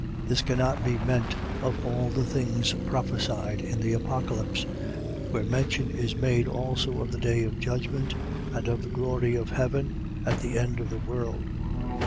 . .This can not be meant of all the things prophesied in the Apocalypse, where mention is made also of the day of judgment, and of the glory of heaven at the end of the world.